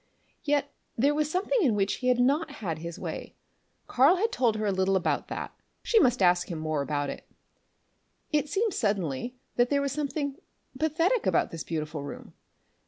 Yet there was something in which he had not had his way. Karl had told her a little about that; she must ask him more about it. It seemed suddenly that there was something pathetic about this beautiful room.